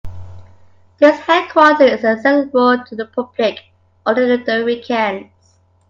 This headquarter is accessible to public only during weekends.